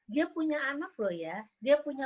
dia punya anak loh ya dia punya